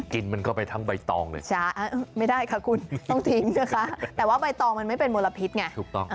กินมันเข้าไปทั้งใบตองเลยไม่ได้ค่ะคุณต้องทิ้งนะคะแต่ว่าใบตองมันไม่เป็นมลพิษไงถูกต้อง